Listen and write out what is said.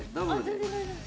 全然大丈夫。